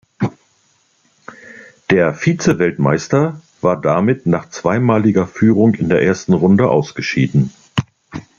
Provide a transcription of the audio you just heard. Der Vize-Weltmeister war damit nach zweimaliger Führung in der ersten Runde ausgeschieden.